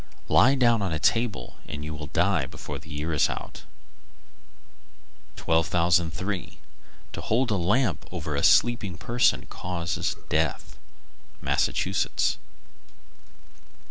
Lie down on a table and you will die before the year is out. Mattawamkeag, Me. 1203. To hold a lamp over a sleeping person causes death. _Massachusetts.